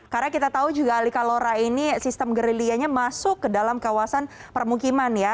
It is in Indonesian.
karena kita tahu juga alikalora ini sistem gerilianya masuk ke dalam kawasan permukiman ya